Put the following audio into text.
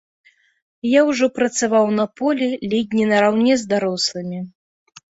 Я ўжо працаваў на полі ледзь не нараўне з дарослымі.